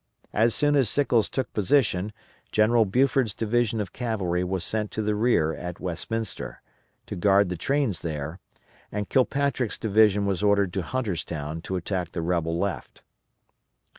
As soon as Sickles took position, General Buford's division of cavalry was sent to the rear at Westminster, to guard the trains there; and Kilpatrick's division was ordered to Hunterstown to attack the rebel left.